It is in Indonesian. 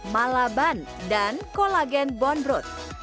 malaban dan kolagen bonbrot